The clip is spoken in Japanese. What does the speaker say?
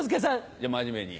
じゃあ真面目に。